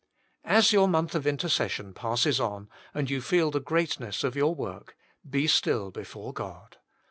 As your month of intercession passes on, and you feel the greatness of your work, be still before God.